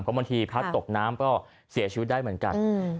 เพราะบางทีพัดตกน้ำก็เสียชีวิตได้เหมือนกัน